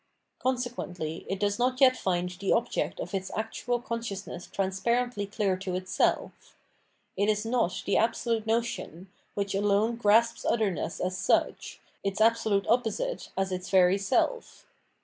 Consequently it does not yet find the object of its actual consciousness transparently clear to itself; it is not the absolute notion, which alone grasps otherness as such, its absolute opposite, as its very self.